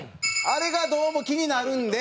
あれがどうも気になるんで。